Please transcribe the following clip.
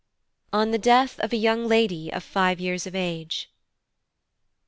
On the Death of a young Lady of Five Years of Age.